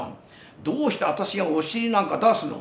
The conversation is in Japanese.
どうして私がお尻なんか出すの？